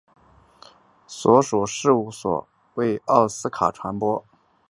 所属事务所为奥斯卡传播。